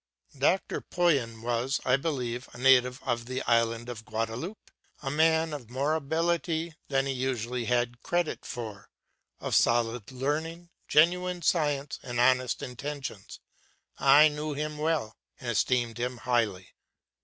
Dr. Poyen was, I believe, a native of the island of Guadeloupe: a man of more ability than he usually had credit for, of solid learning, genuine science, and honest intentions. I knew him well and esteemed him highly.